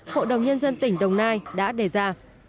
hội đồng nhân dân tỉnh đồng nai đã đề ra